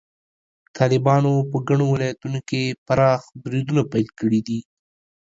طالبانو په ګڼو ولایتونو کې پراخ بریدونه پیل کړي دي.